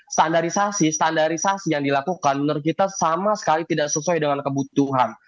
standarisasi standarisasi yang dilakukan menurut kita sama sekali tidak sesuai dengan kebutuhan